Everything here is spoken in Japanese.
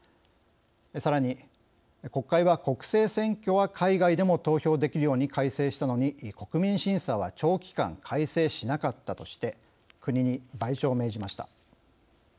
さらに、国会は国政選挙は海外でも投票できるように改正したのに国民審査は長期間改正しなかったとして、国に賠償を命じました。